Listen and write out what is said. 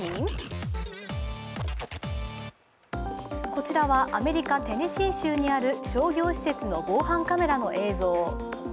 こちらはアメリカ・テネシー州にある商業施設の防犯カメラの映像。